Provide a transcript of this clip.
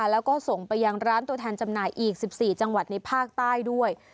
แล้วก็ส่งไปยังร้านตัวแทนจำหน่ายอีก๑๔จังหวัดในภาคใต้ด้วย